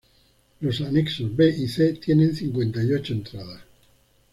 Los anexos "B" y "C" tienen cincuenta y ocho entradas.